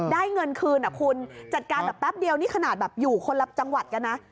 ได้เงินคืนอ่ะคุณจัดการแบบแป๊บเดียวนี่ขนาดแบบอยู่คนละจังหวัดกันนะ